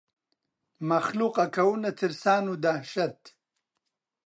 مەخلووق ئەکەونە ترسان و دەهشەت